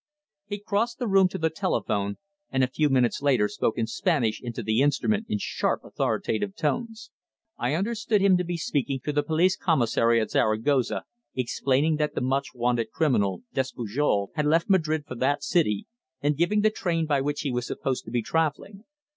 He crossed the room to the telephone, and a few minutes later spoke in Spanish into the instrument in sharp, authoritative tones. I understood him to be speaking to the police commissary at Zaragoza, explaining that the much wanted criminal Despujol had left Madrid for that city, and giving the train by which he was supposed to be travelling.